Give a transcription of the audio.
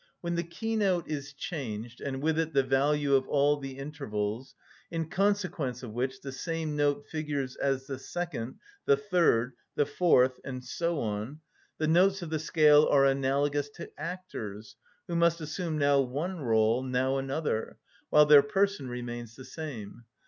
When the key‐note is changed, and with it the value of all the intervals, in consequence of which the same note figures as the second, the third, the fourth, and so on, the notes of the scale are analogous to actors, who must assume now one rôle, now another, while their person remains the same.